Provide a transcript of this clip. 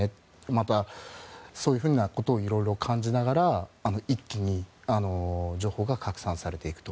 また、そういうことをいろいろ感じながら一気に情報が拡散されていくと。